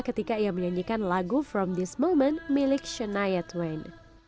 ketika ia menyanyikan lagu from this moment milik shanaya twin